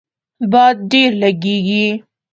باد ډیر لږیږي